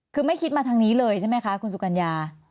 คือไม่คิดมาทางนี้เลยใช่ไหมคะคุณสุกัญญา